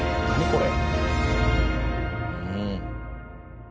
これ。